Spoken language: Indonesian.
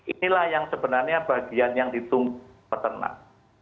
inilah yang sebenarnya bagian yang ditunggu peternak